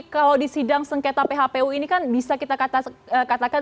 kalau di sidang sengketa phpu ini kan bisa kita katakan